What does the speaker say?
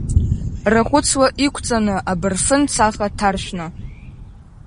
Рахәыцла иқәҵаны, абырфын цаха ҭаршәны.